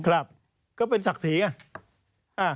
ครับก็เป็นศักดิ์ศีลฯอ่ะ